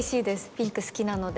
ピンク好きなので。